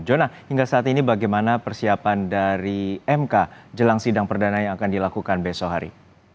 jona hingga saat ini bagaimana persiapan dari mk jelang sidang perdana yang akan dilakukan besok hari